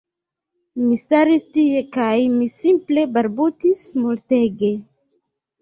Mi staris tie kaj mi simple balbutis multege